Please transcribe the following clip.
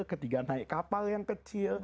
ketika naik kapal yang kecil